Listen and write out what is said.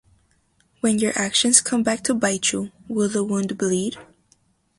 When your actions come back to bite you, will the wound bleed?